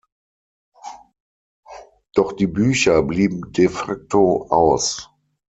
Doch die Bücher blieben de facto aus.